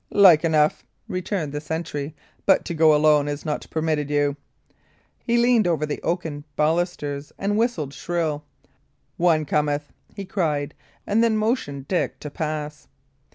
"Like enough," returned the sentry; "but to go alone is not permitted you." He leaned over the oaken balusters and whistled shrill. "One cometh!" he cried; and then motioned Dick to pass.